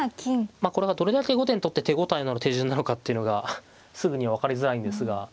まあこれがどれだけ後手にとって手応えのある手順なのかっていうのがすぐには分かりづらいんですが。